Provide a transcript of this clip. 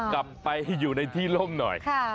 กลับไปอยู่ในที่ล่มหน่อย